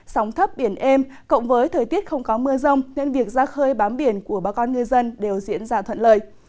sống thấp biển êm cộng với thời tiết không có mưa rông nên việc ra khơi bám biển của bà con người dân đều diễn ra thuận lời